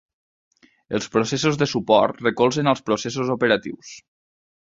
Els processos de suport recolzen als processos operatius.